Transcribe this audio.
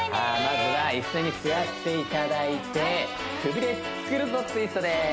まずは椅子に座っていただいてくびれつくるぞツイストです